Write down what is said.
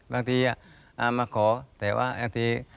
บางทีมาขอแต่ว่าบางที